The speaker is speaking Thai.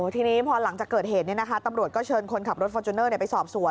ทีนี้พอหลังจากเกิดเหตุตำรวจก็เชิญคนขับรถฟอร์จูเนอร์ไปสอบสวน